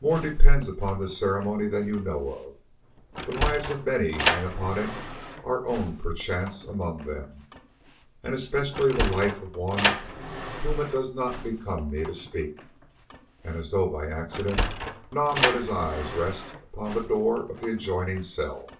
More depends upon this ceremony than you know of, the lives of many hang upon it, our own, perchance, among them, and especially the life of one of whom it does not become me to speak," and as though by accident Nam let his eyes rest upon the door of the adjoining cell.